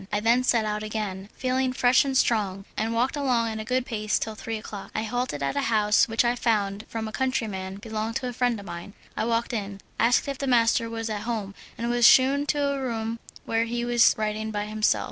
I then set out again, feeling fresh and strong, and walked along at a good pace till three o'clock. I halted at a house which I found from a countryman belonged to a friend of mine. I walked in, asked if the master was at home, and was shewn into a room where he was writing by himself.